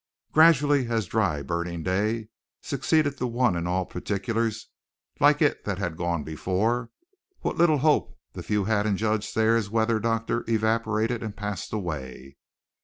Gradually, as dry burning day succeeded the one in all particulars like it that had gone before, what little hope the few had in Judge Thayer's weather doctor evaporated and passed away.